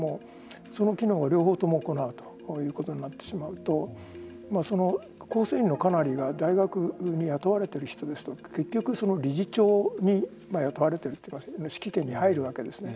その機能を両方とも行うということになってしまうと構成員のかなりは大学に雇われている人ですと結局理事長に雇われているという指揮権に入るわけですね。